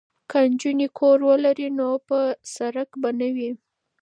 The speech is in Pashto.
که نجونې کور ولري نو په سړک به نه وي.